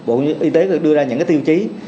bộ y tế đưa ra những cái tiêu chí